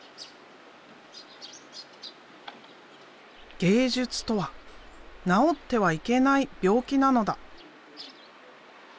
「芸術とは治ってはいけない病気なのだ」。